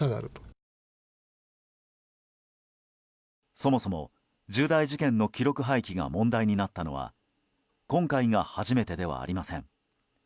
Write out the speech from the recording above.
そもそも、重大事件の記録廃棄が問題になったのは今回が初めてではありません。